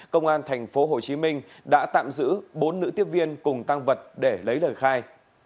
công an tp hcm đã tạm giữ bốn nữ tiếp viên cùng tăng vật để lấy lời khai